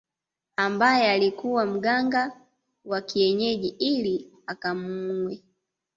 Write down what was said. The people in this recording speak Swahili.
Ambaye alikuwa mganga wa kienyeji ili akamuue